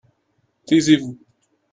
taisez-vous.